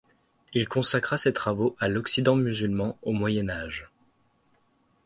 Il consacra ses travaux à l'Occident musulman au Moyen Age.